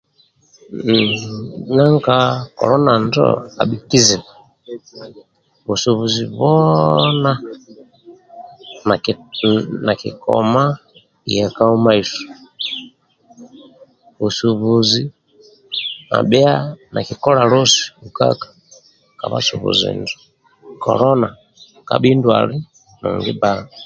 Hmm nanka kolona injo abhi kizibu. Busubuzi byoona naki hmm nakikoma yai kamumaiso. Busubuzi abhia nakikola losi ukwaka ka bhasubuzi injo. Kolona kabhi ndwala nungi bba.